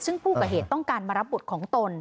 ซึ่งผู้ก่อเหตุต้องการมารับบุตรของตน